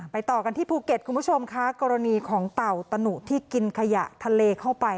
ต่อกันที่ภูเก็ตคุณผู้ชมค่ะกรณีของเต่าตะหนุที่กินขยะทะเลเข้าไป